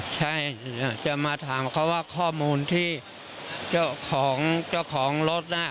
ใช่อยากจะมาถามเขาว่าข้อมูลที่เจ้าของรถน่ะ